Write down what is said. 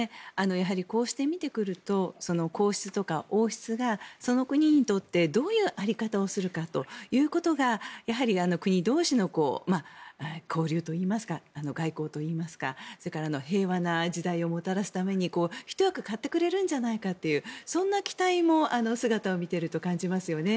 やはりこうして見てくると皇室とか王室がその国にとってどういう在り方をするかということがやはり国同士の交流といいますか外交といいますか平和な時代をもたらすためにひと役買ってくれるんじゃないかというそんな期待もあの姿を見ていると感じますよね。